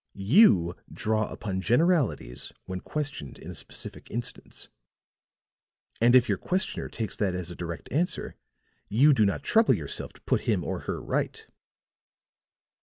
You draw upon generalities when questioned in a specific instance; and if your questioner takes that as a direct answer, you do not trouble yourself to put him or her right."